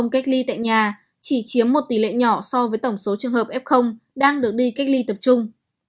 cách ly tại nhà chỉ chiếm một tỷ lệ nhỏ so với tổng số trường hợp f đang được đi cách ly tập trung